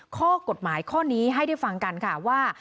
ข้อกฎหมายข้อนี้ให้ได้ฟังกันค่ะว่า